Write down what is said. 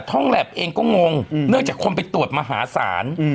ท่องแลพเองก็งงอืมเนื้อจากความเป็นตรวจมหาสาร